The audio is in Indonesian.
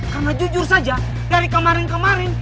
karena jujur saja dari kemarin kemarin